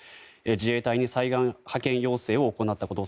自衛隊に災害派遣要請を行ったこと。